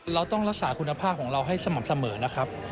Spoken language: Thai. เราต้องรักษาคุณภาพของเราให้สม่ำเสมอนะครับ